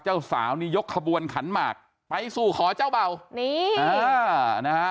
เจ้าสาวนี่ยกขบวนขันหมากไปสู่ขอเจ้าเบานี่อ่านะฮะ